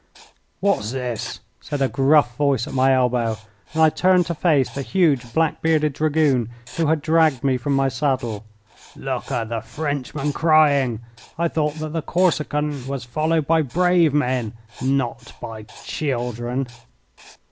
"What's this?" said a gruff voice at my elbow; and I turned to face the huge, black bearded Dragoon who had dragged me from my saddle. "Look at the Frenchman crying! I thought that the Corsican was followed by brave men and not by children."